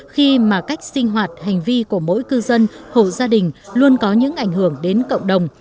khi mà cách sinh hoạt hành vi của mỗi cư dân hộ gia đình luôn có những ảnh hưởng đến cộng đồng